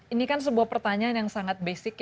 ini kan sebuah pertanyaan yang sangat basic